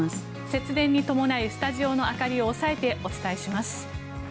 節電に伴いスタジオの明かりを抑えてお伝えします。